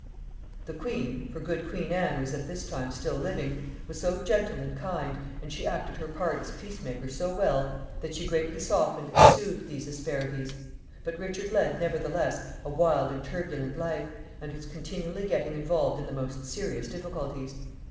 The queen for good Queen Anne was at this time still living was so gentle and kind, and she acted her part as peace maker so well, that she greatly softened and soothed these asperities; but Richard led, nevertheless, a wild and turbulent life, and was continually getting involved in the most serious difficulties.